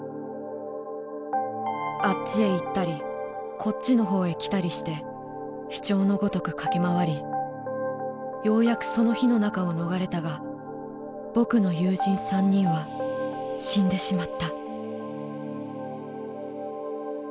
あっちへ行ったりこっちの方へ来たりして飛鳥の如くかけまわりようやくその火の中を逃れたが僕の友人三人は死んでしまった」。